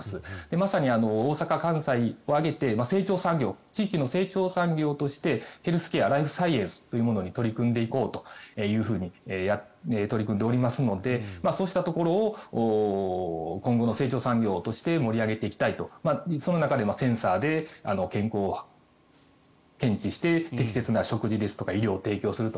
まさに大阪・関西を挙げて成長産業地域の成長産業としてヘルスケアライフサイエンスというものに取り組んでいこうというふうにやっておりますのでそうしたところを今後の成長産業として盛り上げていきたいとその中でセンサーで健康を検知して適切な食事や医療を提供すると。